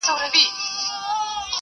یو څه وخت مي راسره ښکلي بچیان وي ..